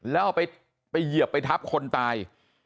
แล้วเอาไปเหยียบไปทับคนตาย